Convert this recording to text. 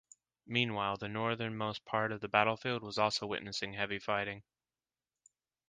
Meanwhile, the northernmost part of the battlefield was also witnessing heavy fighting.